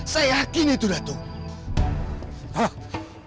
saya yakin itu datuk